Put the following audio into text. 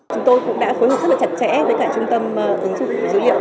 chúng tôi cũng đã phối hợp rất là chặt chẽ với cả trung tâm ứng dụng dữ liệu